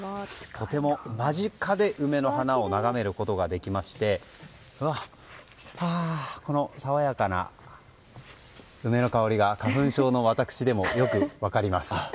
とても間近で梅の花を眺めることができましてこの爽やかな梅の香りが花粉症の私でもよく分かります。